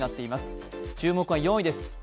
注目は４位です。